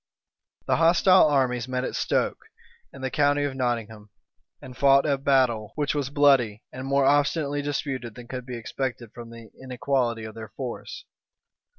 The hostile armies met at Stoke, in the county of Nottingham, and fought a battle, which was bloody, and more obstinately disputed than could have been expected from the inequality of their force.